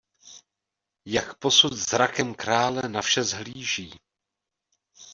Jak posud zrakem krále na vše shlíží!